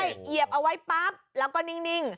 ใช่เหยียบเอาไว้ปั๊บแล้วก็นิ่ง